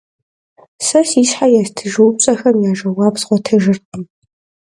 Сэ си щхьэ естыж упщӏэхэм я жэуап згъуэтыжыркъм.